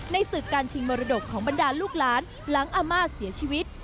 ศึกการชิงมรดกของบรรดาลูกหลานหลังอาม่าเสียชีวิต